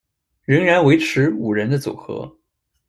仍然维持五人的组合。